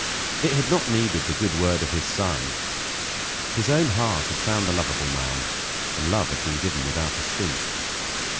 It had not needed the good word of his son. His own heart had found the lovable man; and love had been given without stint.